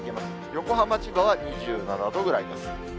横浜、千葉は２７度ぐらいです。